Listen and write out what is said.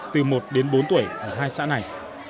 từ một đến bốn tuổi ở hai xã này